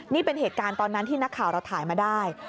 นี่เป็นเหตุการณ์ตอนนั้นที่นักข่าวเราถ่ายมาได้